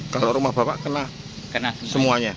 kalau rumah bapak kena kena semuanya